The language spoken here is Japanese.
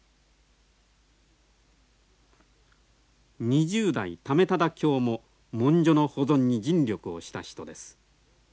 ２０代為理卿も文書の保存に尽力をした人です。